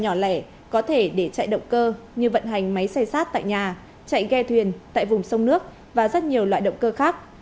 nhỏ lẻ có thể để chạy động cơ như vận hành máy xay sát tại nhà chạy ghe thuyền tại vùng sông nước và rất nhiều loại động cơ khác